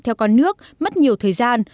theo con nước mất nhiều thời gian